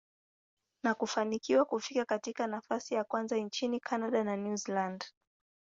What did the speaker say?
na kufanikiwa kufika katika nafasi ya kwanza nchini Canada na New Zealand.